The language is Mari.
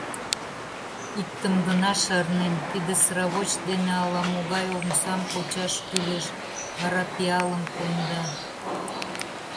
Иктым гына шарнем, тиде сравоч дене ала могай омсам почаш кӱлеш, вара пиалым конда.